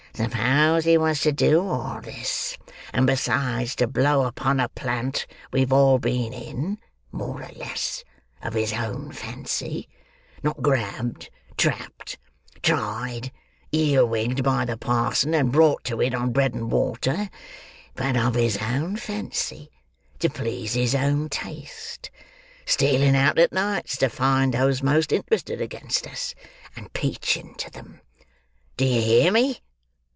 Suppose he was to do all this, and besides to blow upon a plant we've all been in, more or less—of his own fancy; not grabbed, trapped, tried, earwigged by the parson and brought to it on bread and water,—but of his own fancy; to please his own taste; stealing out at nights to find those most interested against us, and peaching to them. Do you hear me?"